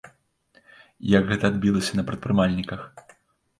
Як гэта адбілася на прадпрымальніках?